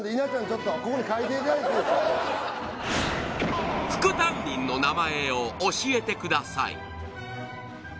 ちょっとここに書いていただいていいですか副担任の名前？